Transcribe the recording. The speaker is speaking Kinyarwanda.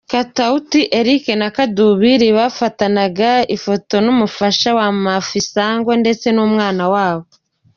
Katauti, Eric na Kadubiri bafatanaga ifoto n'umufasha wa Mafisango ndetse n'umwana wabo .